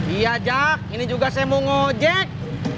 iya jack ini juga saya mau ngejek